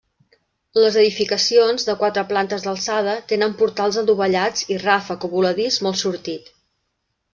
Les edificacions, de quatre plantes d'alçada, tenen portals adovellats i ràfec o voladís molt sortit.